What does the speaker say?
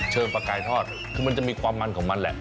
ปลากายทอดคือมันจะมีความมันของมันแหละ